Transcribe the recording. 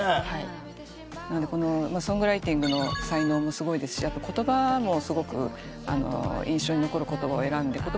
なのでソングライティングの才能もすごいですし言葉もすごく印象に残る言葉を選んで。